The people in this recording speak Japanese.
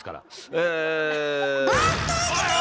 え。